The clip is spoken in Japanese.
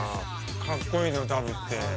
かっこいいのよダブって。